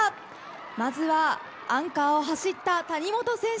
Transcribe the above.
まずはアンカーを走った谷本選手